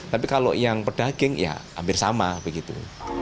tapi kalau yang pedagang ya hampir sama begitu